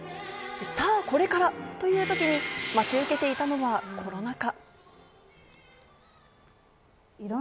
さぁ、これからという時に待ち受けていたのがコロナ禍。